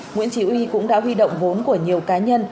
nguyễn chí uy cũng đã huy động vốn của nhiều cá nhân